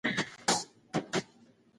کلتور د ملت بقا ده.